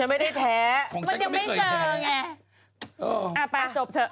ไม่ได้แท้มันยังไม่เคยแท้อย่างนี้อ้อเอาไปแต่จบเฉย